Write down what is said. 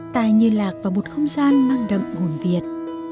ta như lạc vào một không gian mang đậm hồn việt